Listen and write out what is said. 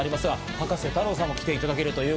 葉加瀬太郎さんも来ていただきます。